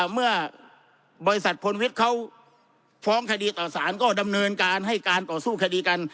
เมื่อบริษัทพลวิทย์เขาฟ้องคดีต่อสารก็ดำเนินการให้การต่อสู้คดีกัน